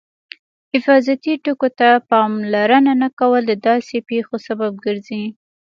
حفاظتي ټکو ته پاملرنه نه کول د داسې پېښو سبب ګرځي.